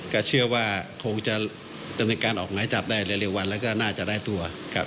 ก็เชื่อว่าคงจะเป็นการออกไหว้จับได้เรียกวันแล้วก็น่าจะได้ตัว